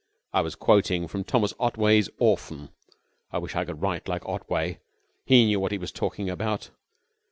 "I was quoting from Thomas Otway's 'Orphan.' I wish I could write like Otway. He knew what he was talking about.